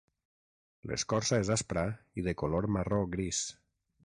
L'escorça és aspra i de color marró gris.